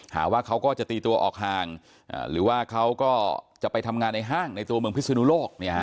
หาว่าเขาก็จะตีตัวออกห่างหรือว่าเขาก็จะไปทำงานในห้างในตัวเมืองพิศนุโลก